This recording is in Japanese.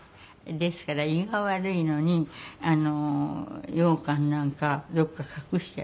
ですから胃が悪いのにようかんなんかよく隠して。